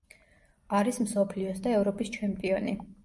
არის მსოფლიოს და ევროპის ჩემპიონი.